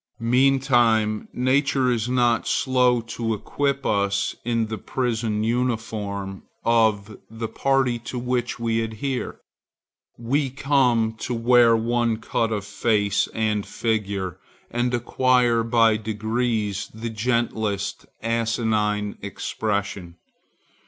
Meantime nature is not slow to equip us in the prison uniform of the party to which we adhere. We come to wear one cut of face and figure, and acquire by degrees the gentlest asinine expression.